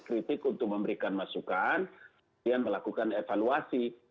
kritik untuk memberikan masukan melakukan evaluasi